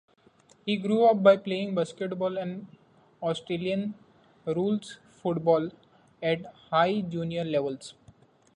He grew up playing basketball and Australian rules football at high junior levels.